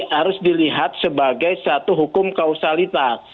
harus dilihat sebagai satu hukum kausalitas